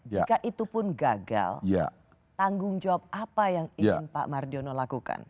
jika itu pun gagal tanggung jawab apa yang ingin pak mardiono lakukan